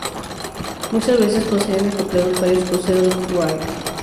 Muchas veces poseen acoplados varios cruceros wraith.